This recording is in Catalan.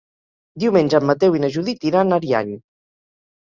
Diumenge en Mateu i na Judit iran a Ariany.